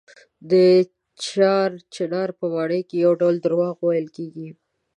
د چار چنار په ماڼۍ کې یو ډول درواغ ویل کېږي.